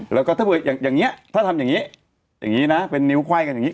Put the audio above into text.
แล้วก็ถ้าเผื่ออย่างนี้ถ้าทำอย่างนี้อย่างนี้นะเป็นนิ้วไขว้กันอย่างนี้